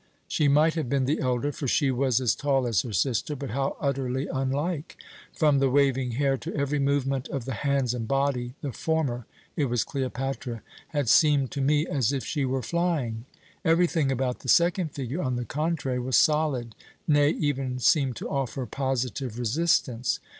She might have been the elder, for she was as tall as her sister, but how utterly unlike! From the waving hair to every movement of the hands and body the former it was Cleopatra had seemed to me as if she were flying. Everything about the second figure, on the contrary, was solid, nay, even seemed to offer positive resistance.